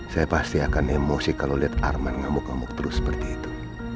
saya pasti akan emosi kalau lihat arman ngamuk ngamuk terus seperti itu